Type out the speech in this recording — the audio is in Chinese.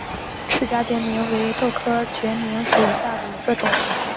翅荚决明为豆科决明属下的一个种。